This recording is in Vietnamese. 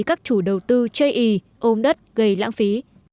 các chủ đầu tư chây ý ôm đất gây lãng phí